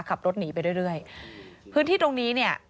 ขับรถหนีไปเรื่อยเรื่อยพื้นที่ตรงนี้เนี่ย